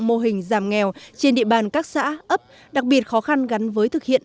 mô hình giảm nghèo trên địa bàn các xã ấp đặc biệt khó khăn gắn với thực hiện